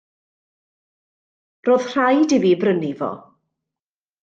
Roedd rhaid i fi 'i brynu fo.